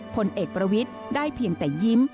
ผลเอกประวิทย์ได้เพียงแต่ยิ้ม